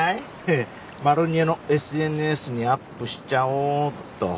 マロニエのＳＮＳにアップしちゃおっと。